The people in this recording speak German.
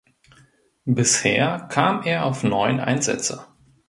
Bisher kam er auf neun Einsätze.